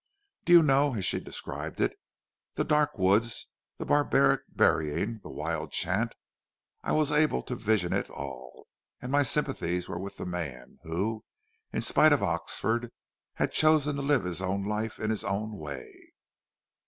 Do you know, as she described it, the dark woods, the barbaric burying, the wild chant, I was able to vision it all and my sympathies were with the man, who, in spite of Oxford, had chosen to live his own life in his own way."